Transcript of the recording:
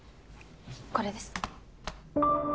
これです。